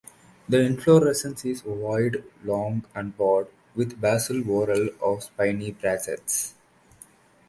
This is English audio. The inflorescence is ovoid, long and broad, with a basal whorl of spiny bracts.